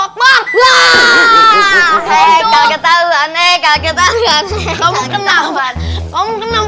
kayak gini rupanya